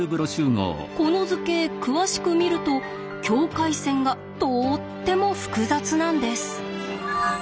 この図形詳しく見ると境界線がとっても複雑なんです。